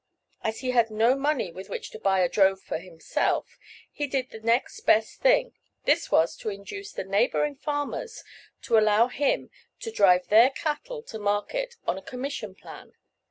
As he had no money with which to buy a drove for himself, he did the next best thing; this was to induce the neighboring farmers to allow him to drive their cattle to market on a commission plan.